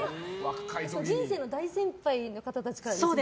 人生の大先輩の方たちからですよね。